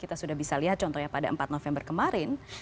kita sudah bisa lihat contohnya pada empat november kemarin